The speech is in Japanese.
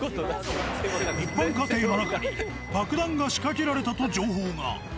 一般家庭の中に爆弾が仕掛けられたと情報が。